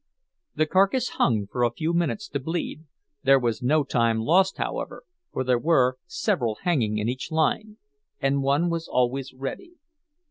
The carcass hung for a few minutes to bleed; there was no time lost, however, for there were several hanging in each line, and one was always ready.